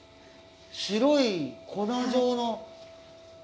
白い粉状の。